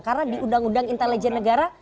karena di undang undang intelijen negara